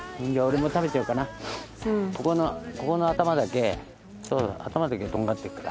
ここのここの頭だけ頭だけとんがってるから。